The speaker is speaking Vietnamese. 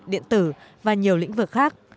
điện tử và nhiều lĩnh vực khác